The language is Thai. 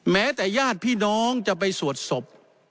แม้แต่ญาติพี่น้องจะไปสวดศพ